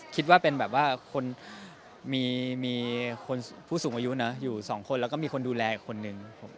คิดว่าเป็นแบบว่าคนมีผู้สูงอายุนะอยู่สองคนแล้วก็มีคนดูแลอีกคนนึง